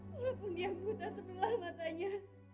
walaupun dia muda sebelah matanya